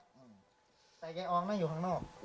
แต่ยายอองนั่งอยู่ข้างนอก